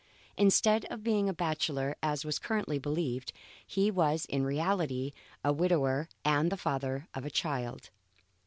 Instead of being a bachelor as was currently believed, he was in reality a widower, and the father of a child.